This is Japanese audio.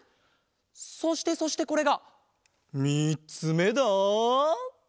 そしてそしてこれがみっつめだ。